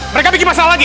mereka bikin masalah lagi